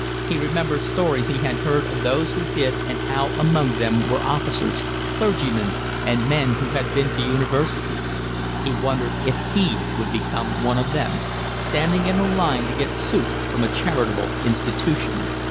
He remembered stories he had heard of those who did and how among them were officers, clergymen, and men who had been to universities: he wondered if he would become one of them, standing in a line to get soup from a charitable institution.